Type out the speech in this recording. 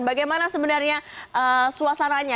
bagaimana sebenarnya suasananya